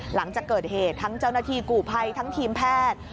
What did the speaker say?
หลังจากเกิดเหตุทั้งเจ้าหน้าที่กู่ภัยทั้งทีมแพทย์